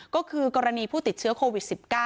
ก็คือกรณีผู้ติดเชื้อโควิด๑๙